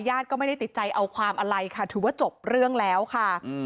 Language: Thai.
ก็ไม่ได้ติดใจเอาความอะไรค่ะถือว่าจบเรื่องแล้วค่ะ